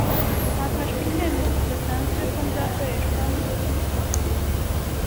Hafashwe icyemezo kidasanzwe ko nzakoreshwa nisosiyete.